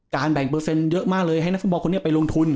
แบ่งเปอร์เซ็นต์เยอะมากเลยให้นักฟุตบอลคนนี้ไปลงทุน